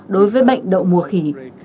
đối với bệnh đậu mùa khỉ